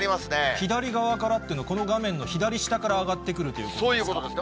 左側からというのは、この画面の左下から上がってくるということですか？